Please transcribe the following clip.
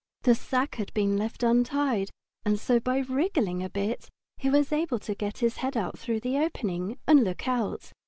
The sack had been left untied, and so by wriggling a bit he was able to get his head through the opening and look out.